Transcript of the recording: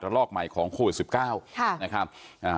ลอกใหม่ของโควิดสิบเก้าค่ะนะครับ